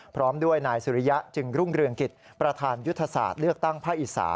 พร้อมด้วยนายสุริยะจึงรุ่งเรืองกิจประธานยุทธศาสตร์เลือกตั้งภาคอีสา